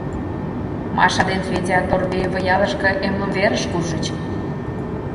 Маша ден Федя Торбеево ялышке эмлымверыш куржыч.